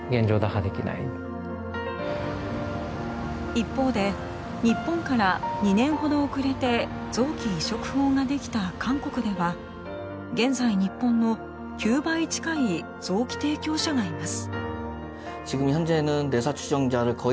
一方で日本から２年ほど遅れて臓器移植法ができた韓国では現在日本の９倍近い臓器提供者がいます。